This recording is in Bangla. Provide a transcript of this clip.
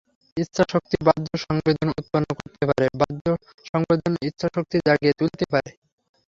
ইচ্ছা-শক্তি বাহ্য সংবেদন উৎপন্ন করতে পারে, বাহ্য সংবেদনও ইচ্ছা-শক্তি জাগিয়ে তুলতে পারে।